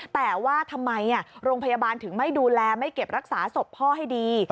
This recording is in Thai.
แต่ว่าทำไมโรงพยาบาลถึงไม่ดูแลไม่เก็บรักษาศพพ่อให้ดี